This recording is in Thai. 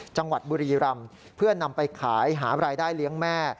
จังหวัดบุรีรำเพื่อนำไปขายหารายได้เลี้ยงแม่